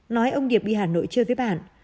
nói ông điệp đi hà nội chơi với bạn